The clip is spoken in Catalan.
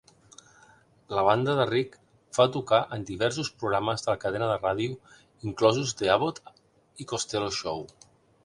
La banda de Rich va tocar en diversos programes de la cadena de ràdio, inclosos The Abbott i Costello Show.